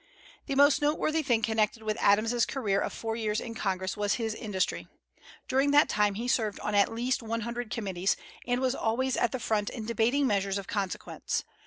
The most noteworthy thing connected with Adams's career of four years in Congress was his industry. During that time he served on at least one hundred committees, and was always at the front in debating measures of consequence.